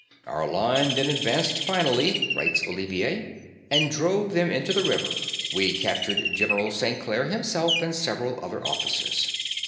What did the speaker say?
'Our line then advanced finally,' writes Olivier, 'and drove them into the river; we captured General St. Clare himself and several other officers.